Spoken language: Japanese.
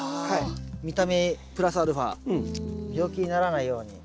見た目プラスアルファ病気にならないように。